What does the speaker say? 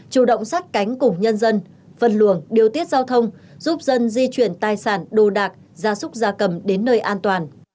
chủ động sát cánh cùng nhân dân phân luồng điều tiết giao thông giúp dân di chuyển tài sản đồ đạc gia súc gia cầm đến nơi an toàn